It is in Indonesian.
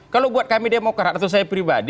kalau buat kami demokrat atau saya pribadi